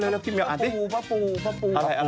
เร็วพี่มิวอ่านสิอะไรอ่ะ